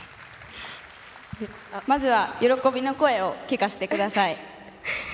まずは喜びの声を聞かせてください。